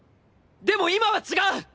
でも今は違う！